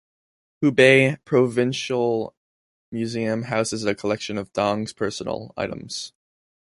Hubei Provincial museum houses a collection of Dong's personal items.